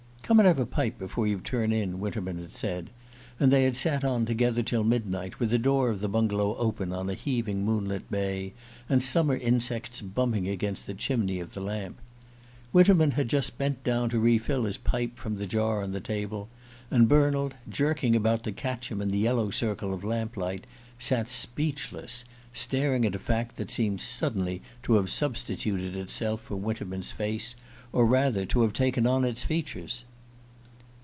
"Come and have a pipe before you turn in," Winterman had said; and they had sat on together till midnight, with the door of the bungalow open on a heaving moonlit bay, and summer insects bumping against the chimney of the lamp. Winterman had just bent down to re fill his pipe from the jar on the table, and Bernald, jerking about to catch him in the yellow circle of lamplight, sat speechless, staring at a fact that seemed suddenly to have substituted itself for Winterman's face, or rather to have taken on its features.